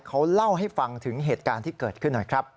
เขาเล่าให้ฟังถึงเหตุการณ์ที่เกิดขึ้นหน่อยครับ